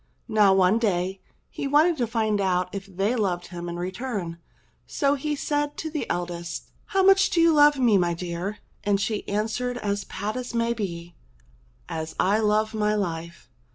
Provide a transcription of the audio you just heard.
Now one day he wanted to find out if they loved him in return, so he said to the eldest, " How much do you love me, my dear ?" And she answered as pat as may be, "As I love my life."